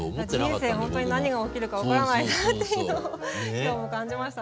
人生ほんとに何が起きるか分からないなっていうのを今日も感じましたね。